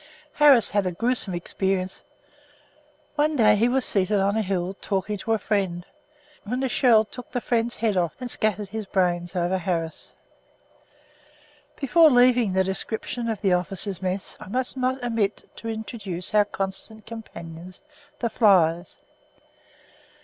Harris had a gruesome experience. One day he was seated on a hill, talking to a friend, when a shell took the friend's head off and scattered his brains over Harris. Before leaving the description of the officers' mess, I must not omit to introduce our constant companions, the flies.